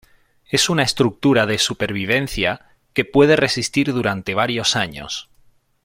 Es una estructura de supervivencia que puede resistir durante varios años.